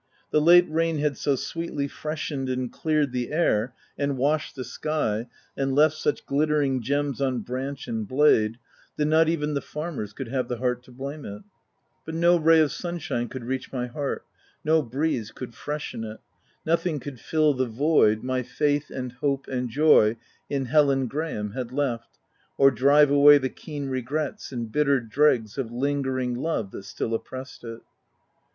The late rain had so sweetly freshened and cleared the air, and washed the sky, and left such glittering gems on branch and blade, that not even the farmers could have the heart to blame it. But no ray 252 THE TENANT of sunshine could reach my heart, no breeze could freshen it ; nothing could fill the void my faith, and hope, and joy in Helen Graham had left, or drive away the keen regrets, and bitter dregs of lingering love that still oppressed it.